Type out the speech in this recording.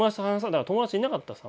だから友達いなかったです